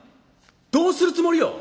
どうするつもりよ！